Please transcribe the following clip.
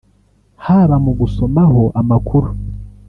haba mu gusomaho amakuru